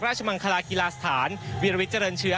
ราชมังคลากีฬาสถานวีรวิชเจริญเชื้อ